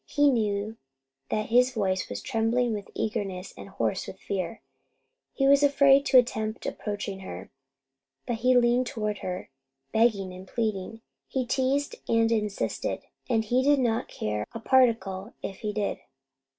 He knew that his voice was trembling with eagerness and hoarse with fear. He was afraid to attempt approaching her, but he leaned toward her, begging and pleading. He teased and insisted, and he did not care a particle if he did.